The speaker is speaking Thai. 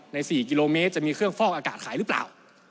๔กิโลเมตรจะมีเครื่องฟอกอากาศขายหรือเปล่า